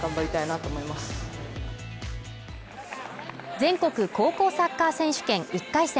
全国高校サッカー選手権１回戦。